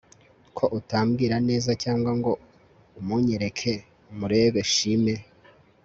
ko utambwira neza cyangwa ngo umunyereke murebe nshime